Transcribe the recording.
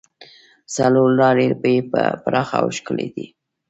څلور لارې یې پراخه او ښکلې دي.